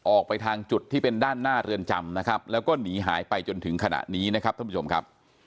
ออกไปทางจุดที่เป็นด้านหน้าเรือนจำนะครับแล้วก็หนีหายไปจนถึงขณะนี้นะครับท่านผู้ชมครับ